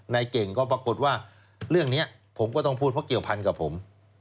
เก่งก็ปรากฏว่าเรื่องนี้ผมก็ต้องพูดเพราะเกี่ยวพันกับผม